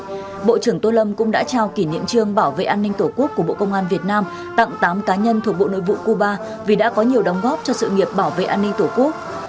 tại buổi lễ bộ trưởng tôn lâm cũng đã trao kỷ niệm chương bảo vệ an ninh tổ quốc của bộ công an việt nam tặng tám cá nhân thuộc bộ nội vụ cuba vì đã có nhiều đóng góp cho sự nghiệp bảo vệ an ninh tổ quốc